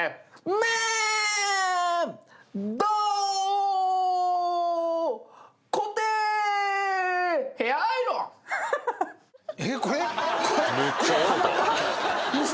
めっちゃ笑うた。